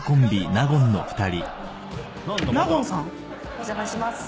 お邪魔します。